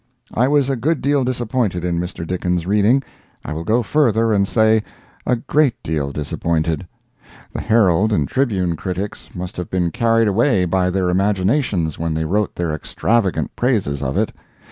] I was a good deal disappointed in Mr. Dickens' reading—I will go further and say, a great deal disappointed. The Herald and Tribune critics must have been carried away by their imaginations when they wrote their extravagant praises of it.